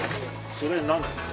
それ何ですか？